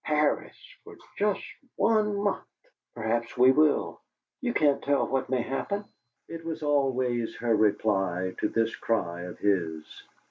PARIS for just one month!" "Perhaps we will; you can't tell what MAY happen." It was always her reply to this cry of his.